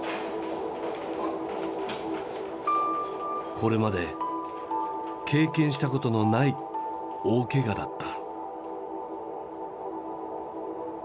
これまで経験したことのない大けがだった。